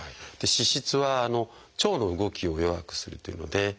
脂質は腸の動きを弱くするというので。